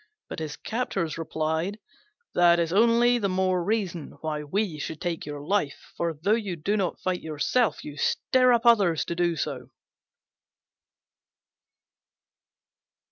But his captors replied, "That is only the more reason why we should take your life; for, though you do not fight yourself, you stir up others to do so."